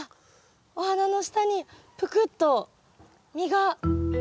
お花の下にぷくっと実が。